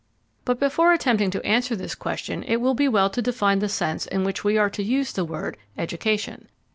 But before attempting to answer this question it will be well to define the sense in which we are to use the word "education."